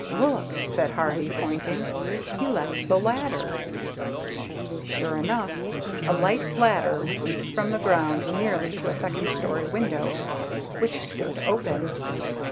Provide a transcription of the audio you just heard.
"Look!" said Harvey, pointing; "he left the ladder." Sure enough, a light ladder reached from the ground nearly to a second story window, which stood open.